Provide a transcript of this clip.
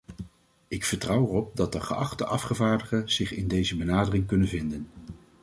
Ik vertrouw erop dat de geachte afgevaardigden zich in deze benadering kunnen vinden.